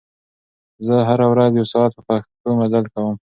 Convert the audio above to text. زه هره ورځ یو ساعت په پښو مزل کوم.